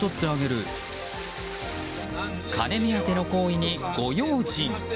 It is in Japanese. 金目当ての行為にご用心。